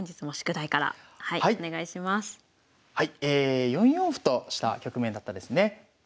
え４四歩とした局面だったですね。